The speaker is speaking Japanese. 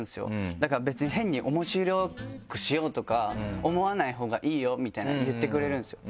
「だから別に変に面白くしようとか思わないほうがいいよ」みたいな言ってくれるんですよ